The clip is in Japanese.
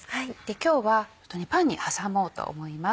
今日はパンに挟もうと思います。